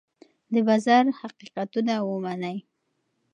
د بازار حقیقتونه ومنئ.